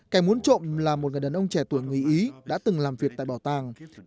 kẻ muốn trộm là một người đàn ông trẻ tuổi người ý đã từng làm việc tại bảo tàng